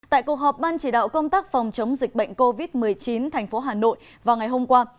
tại cuộc họp ban chỉ đạo công tác phòng chống dịch bệnh covid một mươi chín thành phố hà nội vào ngày hôm qua